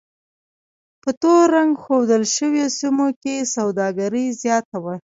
په تور رنګ ښودل شویو سیمو کې سوداګري زیاته وه.